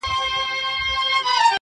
په قسمت کي یې تغییر نه وي لیکلی!